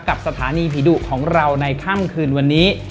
สถานีผีดุของเราในค่ำคืนวันนี้